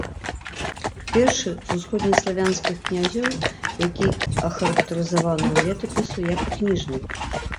Першы з усходнеславянскіх князёў, які ахарактарызаваны ў летапісу як кніжнік.